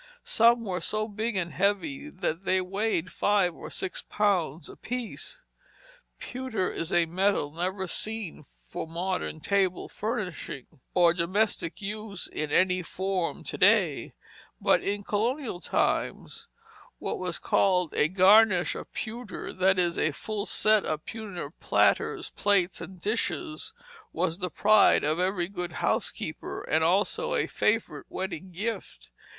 Some were so big and heavy that they weighed five or six pounds apiece. Pewter is a metal never seen for modern table furnishing, or domestic use in any form to day; but in colonial times what was called a garnish of pewter, that is, a full set of pewter platters, plates, and dishes, was the pride of every good housekeeper, and also a favorite wedding gift.